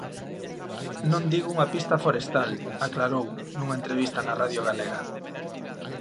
"Non digo unha pista forestal", aclarou, nunha entrevista na Radio Galega.